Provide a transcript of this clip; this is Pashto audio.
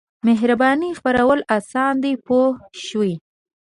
مهربانۍ خپرول اسان دي پوه شوې!.